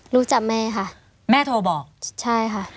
รู้จักแม่ค่ะ